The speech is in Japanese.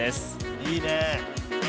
いいねえ。